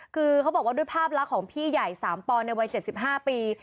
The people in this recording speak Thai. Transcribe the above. คือเขาบอกว่าด้วยภาพลักษณ์ของพี่ใหญ่๓ปอนในวัย๗๕ปี